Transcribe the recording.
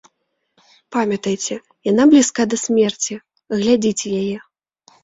Памятайце, яна блізка да смерці, глядзіце яе.